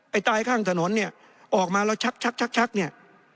ตายข้างถนนเนี่ยออกมาแล้วชักชักเนี่ย